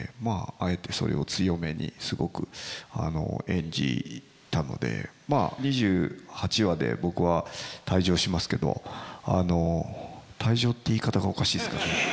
あえてそれを強めにすごく演じたのでまあ２８話で僕は退場しますけど退場って言い方がおかしいですかね。